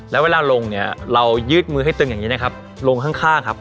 แล้วเวลาลงเนี่ยเรายืดมือให้ตึงอย่างนี้นะครับลงข้างครับ